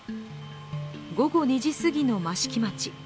午後２時すぎの益城町。